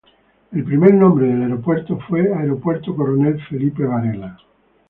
El primer nombre del aeropuerto fue Aeropuerto Coronel Felipe Varela.